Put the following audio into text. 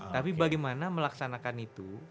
tapi bagaimana melaksanakan itu